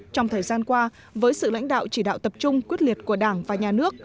trong thời gian qua với sự lãnh đạo chỉ đạo tập trung quyết liệt của đảng và nhà nước